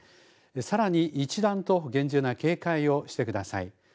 さらに一段と厳重な警戒をしてください。